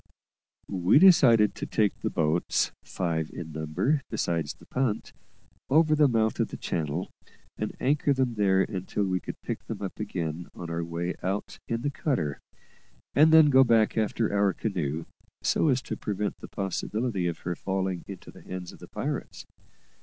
We decided to take the boats, five in number besides the punt, over to the mouth of the channel, and anchor them there until we could pick them up again on our way out in the cutter, and then go back after our canoe, so as to prevent the possibility of her falling into the hands of the pirates.